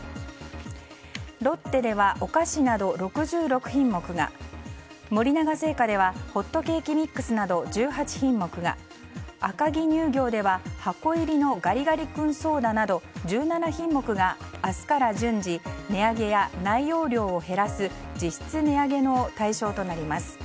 ロッテではお菓子など６６品目が森永製菓ではホットケーキミックスなど１８品目が赤城乳業では箱入りのガリガリ君ソーダなど１７品目が、明日から順次値上げや内容量を減らす実質値上げの対象となります。